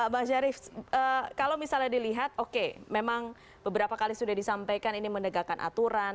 bang syarif kalau misalnya dilihat oke memang beberapa kali sudah disampaikan ini menegakkan aturan